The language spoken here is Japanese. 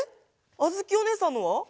あづきおねえさんのは？